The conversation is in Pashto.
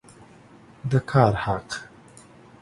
د کار حق